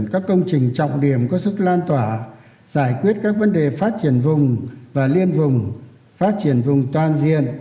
các công trình trọng điểm có sức lan tỏa giải quyết các vấn đề phát triển vùng và liên vùng phát triển vùng toàn diện